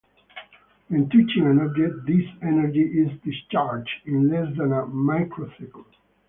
When touching an object this energy is discharged in less than a microsecond.